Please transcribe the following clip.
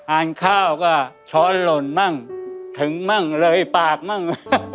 ข้าวก็ช้อนหล่นมั่งถึงมั่งเลยปากมั่ง